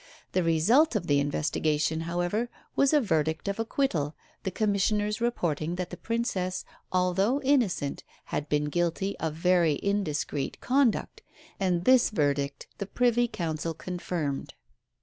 The result of the investigation, however, was a verdict of acquittal, the Commissioners reporting that the Princess, although innocent, had been guilty of very indiscreet conduct and this verdict the Privy Council confirmed.